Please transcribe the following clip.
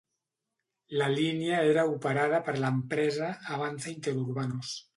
La línia era operada per l'empresa Avanza Interurbanos.